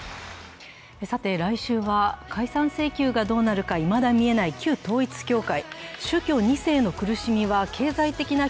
来週は解散請求がどうなるかいまだ見えない旧統一教会。